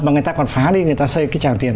mà người ta còn phá đi người ta xây cái tràng tiền